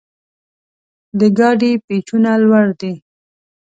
د ګاډي پېچونه لوړ دي.